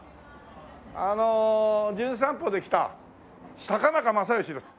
あの『じゅん散歩』で来た高中正義です。